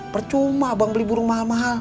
percuma bang beli burung mahal mahal